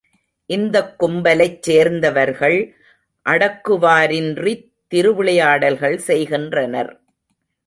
இந்தக் கும்பலைச் சேர்ந்தவர்கள் அடக்குவாரின்றித் திருவிளையாடல்கள் செய்கின்றனர்.